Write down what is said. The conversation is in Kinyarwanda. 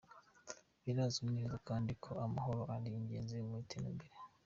Birazwi neza kandi ko amahoro ari ingenzi mu iterambere.